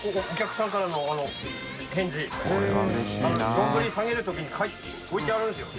丼下げるときに置いてあるんですよ。